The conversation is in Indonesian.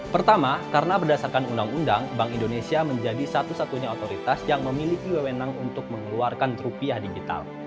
pertama karena berdasarkan undang undang bank indonesia menjadi satu satunya otoritas yang memiliki wewenang untuk mengeluarkan rupiah digital